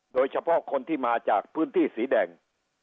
โดยเฉพาะคนที่มาจากพื้นที่สีแดง